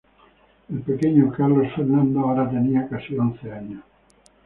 El pequeño Carlos Fernando ahora tenía casi once años.